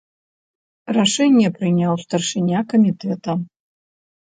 Рашэнне прыняў старшыня камітэта.